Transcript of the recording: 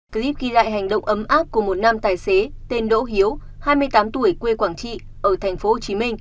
clip ghi lại hành động ấm áp của một nam tài xế tên đỗ hiếu hai mươi tám tuổi quê quảng trị ở tp hcm